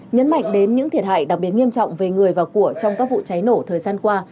nhấn mạnh đến những thiệt hại đặc biệt nghiêm trọng về người và của trong các vụ cháy nổ thời gian qua